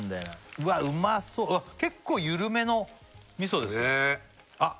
うわっうまそう結構ゆるめの味噌ですねあっ